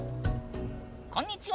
こんにちは。